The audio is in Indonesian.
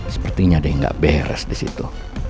sepertinya ada yang gak beres disitu